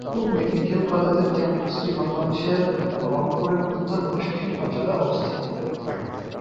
Rangpur medical কলেজের ক্যাম্পাসটি বাংলাদেশের রংপুরের উত্তর-পশ্চিম অঞ্চলে অবস্থিত।